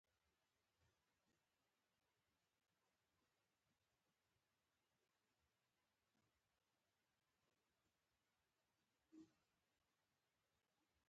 ایا ستاسو عزت به خوندي وي؟